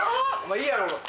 いいやろ。